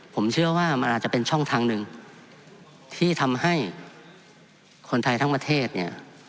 ผมเชื่อว่ามันอาจจะเป็นช่องทางหนึ่งที่ทำให้คนไทยทั้งประเทศเนี่ย